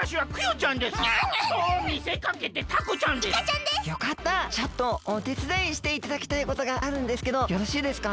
ちょっとおてつだいしていただきたいことがあるんですけどよろしいですか？